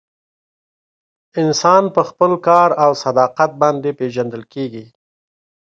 انسان په خپل کار او صداقت باندې پیژندل کیږي.